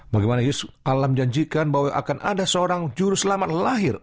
bagaimana yusuf alam menjanjikan bahwa akan ada seorang juru selamat lahir